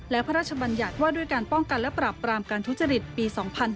และพระราชบัญญัติว่าด้วยการป้องกันและปรับปรามการทุจริตปี๒๕๔